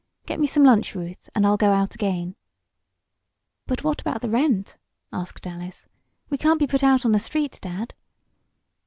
Get me some lunch, Ruth, and I'll go out again." "But what about the rent?" asked Alice. "We can't be put out on the street, Dad."